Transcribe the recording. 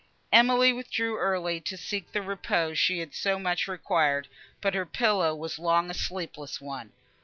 Emily withdrew early to seek the repose she so much required, but her pillow was long a sleepless one.